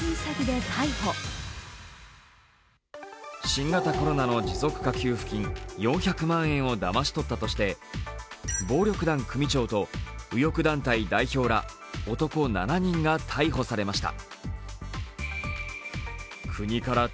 新型コロナの持続化給付金４００万円をだまし取ったとして暴力団組長と右翼団体代表ら男７人が逮捕されました。